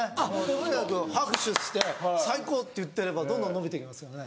とにかく拍手して「最高！」って言ってればどんどん伸びていきますよね。